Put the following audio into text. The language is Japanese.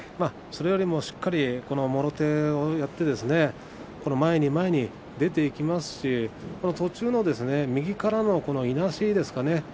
それよりもしっかりともろ手をやって前に前に出ていきますし途中の右からのいなしですね。